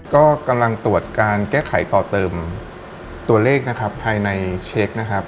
กำลังตรวจการแก้ไขต่อเติมตัวเลขภายในเช็ค